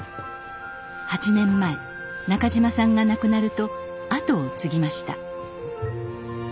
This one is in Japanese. ８年前中島さんが亡くなると後を継ぎました。